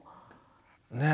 ねえ。